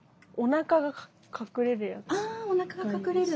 あおなかが隠れる。